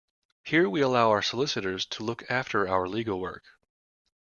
Here we allow our solicitors to look after our legal work.